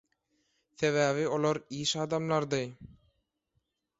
Sebäbi olar iş adamlarydy.